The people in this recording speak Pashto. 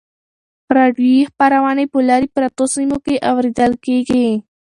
راډیویي خپرونې په لیرې پرتو سیمو کې اورېدل کیږي.